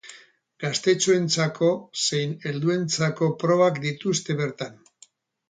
Gaztetxoentzako zein helduentzako probak dituzte bertan.